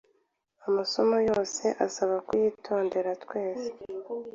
Amasomo yose asaba kuyitondera twese